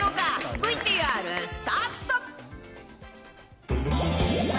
ＶＴＲスタート。